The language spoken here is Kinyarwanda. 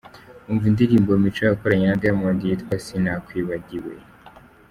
Umva indirimbo Mico yakoranye na Diamond yitwa “Sinakwibagiwe”.